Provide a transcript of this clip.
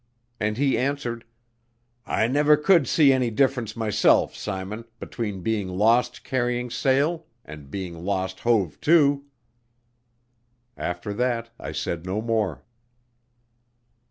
And he answered: "I never could see any difference myself, Simon, between being lost carrying sail and being lost hove to." After that I said no more.